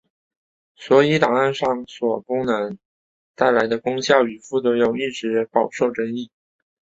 所以档案上锁功能带来的功效与副作用一直饱受争议。